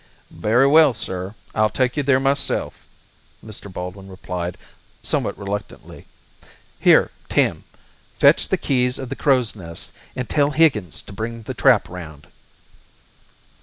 "Very well, sir. I'll take you there myself," Mr. Baldwin replied, somewhat reluctantly. "Here, Tim fetch the keys of the Crow's Nest and tell Higgins to bring the trap round."